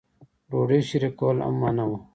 ډوډۍ شریکول هم منع وو.